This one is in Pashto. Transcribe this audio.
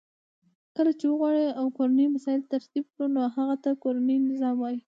کله چی وغواړو کورنی مسایل ترتیب کړو نو هغه ته کورنی نظام وای .